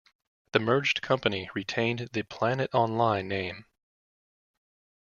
The merged company retained the Planet Online name.